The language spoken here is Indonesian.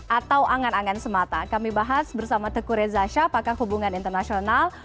atau angan angan semata kami bahas bersama teguh reza shah pakar hubungan internasional